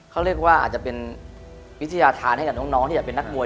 เขาเรียกว่าอาจจะเป็นวิทยาธารให้กับน้องที่อยากเป็นนักมวย